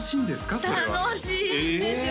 それは楽しいんですよ